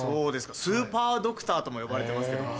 スーパードクターとも呼ばれてますけども。